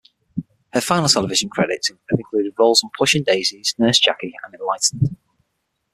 Her final television credits have included roles on "Pushing Daisies", "Nurse Jackie", and "Enlightened".